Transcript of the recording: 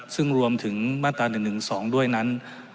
ซึ่งรวมถึงมาตรา๑๑๒ด้วยนั้น